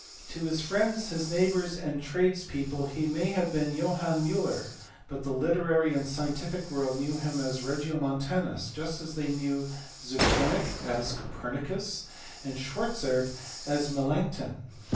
To his friends, his neighbours, and his tradespeople he may have been Johannes Miiller, but the literary and scientific world knew him as Regiomontanus, just as they knew Zepernik as Copernicus, and Schwarzerd as Melanchthon.